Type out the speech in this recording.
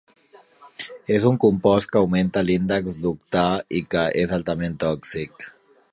És un compost que augmenta l'índex d'octà i que és altament tòxic.